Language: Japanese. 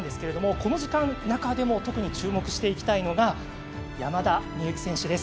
この時間、中でも注目していきたいのが山田美幸選手です。